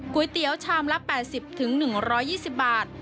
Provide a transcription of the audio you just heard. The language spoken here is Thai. ก๋วยเตี๋ยวชามละ๘๐๑๒๐บาท